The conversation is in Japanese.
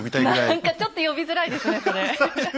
何かちょっと呼びづらいですねそれ。